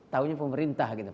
tahunya pemerintah gitu